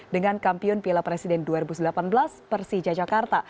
dengan kampiun piala presiden dua ribu delapan belas persija jakarta